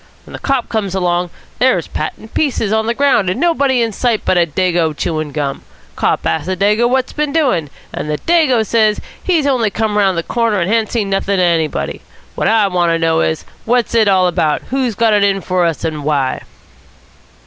When the cop comes along, there's Pat in pieces on the ground and nobody in sight but a Dago chewing gum. Cop asks the Dago what's been doing, and the Dago says he's only just come round the corner and ha'n't seen nothing of anybody. What I want to know is, what's it all about? Who's got it in for us and why?"